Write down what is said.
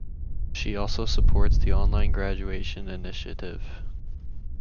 She also supports the online graduation initiative.